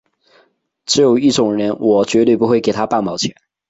只有一种人我绝对不会给他半毛钱